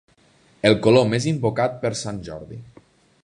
El color més invocat per sant Jordi.